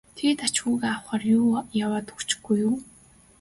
тэгээд ач хүүгээ авахаар яваад өгөхгүй юу.